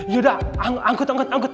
ya udah angkut angkut